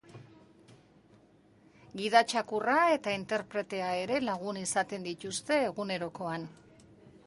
Gida txakurra eta interpretea ere lagun izaten dituzte egunerokoan.